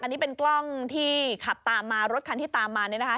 อันนี้เป็นกล้องที่ขับตามมารถคันที่ตามมาเนี่ยนะคะ